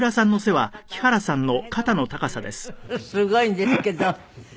すごいんですけど。